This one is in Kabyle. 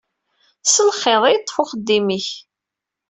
S lxiḍ i yeṭṭef uxeddim-ik.